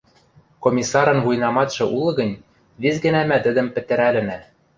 Комиссарын вуйнаматшы улы гӹнь, вес гӓнӓ мӓ тӹдӹм пӹтӹрӓлӹнӓ.